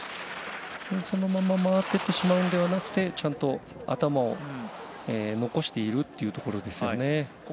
そのまま回っていってしまうのではなくてちゃんと頭を残しているというところですね。